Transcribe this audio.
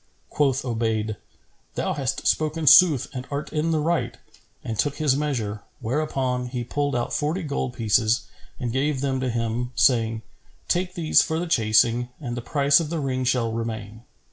Quoth Obayd, "Thou hast spoken sooth and art in the right;" and took his measure, whereupon he pulled out forty gold pieces and gave them to him, saying, "Take these for the chasing and the price of the ring shall remain."